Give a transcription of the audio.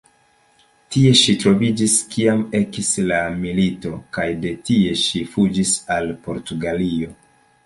Tie ŝi troviĝis kiam ekis la milito, kaj de tie ŝi fuĝis al Portugalio.